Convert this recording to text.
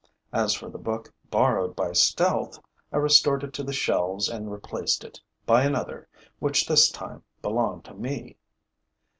As for the book borrowed by stealth, I restored it to the shelves and replaced it by another, which, this time, belonged to me.